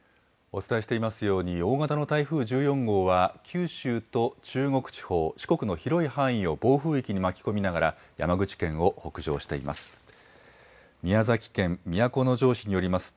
お伝えしていますように、大型の台風１４号は九州と中国地方、四国の広い範囲を暴風域に巻き込みながら、山口県を北上しています。